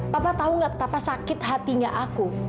papa tau gak betapa sakit hatinya aku